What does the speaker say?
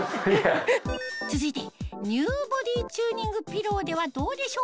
続いてＮＥＷボディーチューニングピローではどうでしょう？